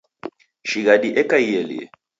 Shighadi eka ieliye